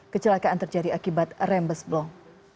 kecelakaan terjadi akibat rembes blong